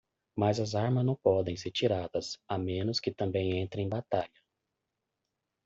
Mas armas não podem ser tiradas a menos que também entrem em batalha.